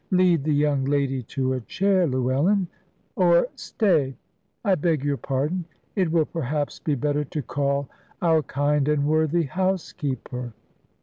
Lead the young lady to a chair, Llewellyn. Or, stay; I beg your pardon. It will perhaps be better to call our kind and worthy housekeeper."